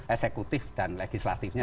eksekutif dan legislatifnya